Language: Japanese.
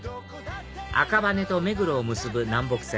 赤羽と目黒を結ぶ南北線